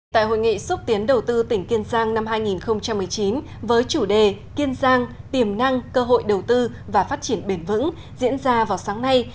tại hội nghị xúc tiến đầu tư tỉnh kiên giang năm hai nghìn một mươi chín với chủ đề kiên giang tiềm năng cơ hội đầu tư và phát triển bền vững diễn ra vào sáng nay